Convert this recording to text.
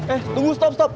eh tunggu stop stop